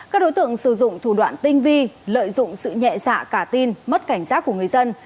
các đối tượng sử dụng thủ đoạn tinh vi lợi dụng sự nhẹ dạ cả tin mất cảnh giác của người dân